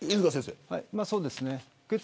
そうですね。